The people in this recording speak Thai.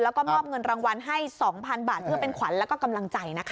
แล้วก็มอบเงินรางวัลให้๒๐๐๐บาทเพื่อเป็นขวัญแล้วก็กำลังใจนะคะ